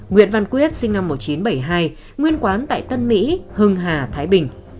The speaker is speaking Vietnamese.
nguyễn văn quyết sinh năm một nghìn chín trăm bảy mươi hai nguyên quán tại tân mỹ hưng hà thái bình